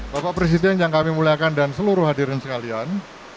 bapak presiden yang kami muliakan dan seluruh hadirin sekalian